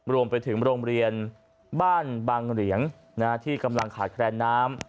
รวมไปถึงโรงเรียนบ้านบางเหรียงที่กำลังขาดแคลนน้ำ